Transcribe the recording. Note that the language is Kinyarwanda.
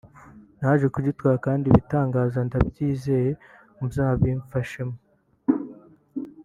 naje kugitwara kandi Ibitangaza ndabyizeye muzabimfashamo